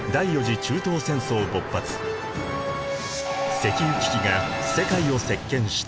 石油危機が世界を席けんした。